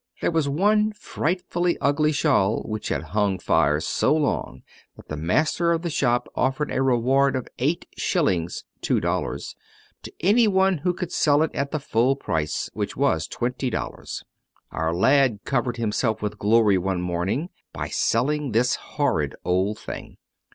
There was one frightfully ugly shawl which had hung fire so long that the master of the shop offered a reward of eight shillings (two dollars) to any one who should sell it at the full price; which was twenty dollars. Our lad covered himself with glory one morning, by selling this horrid old thing.